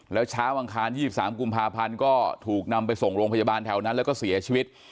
แล้วเช้าอังคาร๒๓กุมภาพันธ์ก็ถูกนำไปส่งโรงพยาบาลแถวนั้นแล้วก็เสียชีวิต